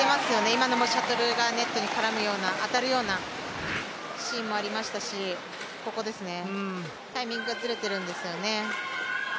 今のもシャトルがネットに絡むような、当たるようなシーンもありましたし、ここですよね、タイミングがずれてるんですよね。